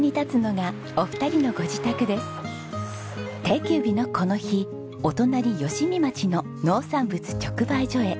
定休日のこの日お隣吉見町の農産物直売所へ。